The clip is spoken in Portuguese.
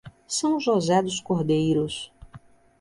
São José dos Cordeiros